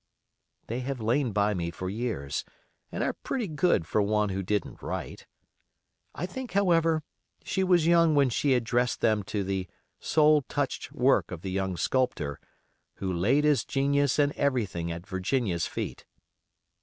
They have lain by me for years, and are pretty good for one who didn't write. I think, however, she was young when she addressed them to the "soul touched" work of the young sculptor, who laid his genius and everything at Virginia's feet.